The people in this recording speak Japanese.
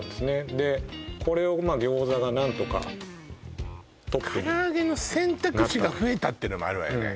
でこれをまあ餃子が何とかからあげの選択肢が増えたっていうのもあるわよね